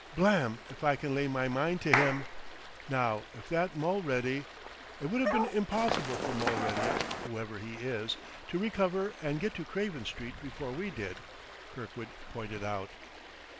Blam' if I can lay my mind to him! Now if that Mulready " "It would have been impossible for Mulready whoever he is to recover and get to Craven Street before we did," Kirkwood pointed out.